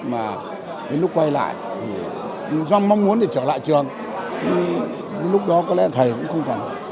mà đến lúc quay lại thì do mong muốn để trở lại trường đến lúc đó có lẽ thầy cũng không cảm thấy